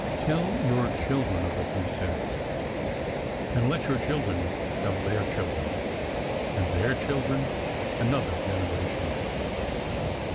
'' Tell your children of it," he says, '' and let your chil dren tell their children, and their children another gen eration.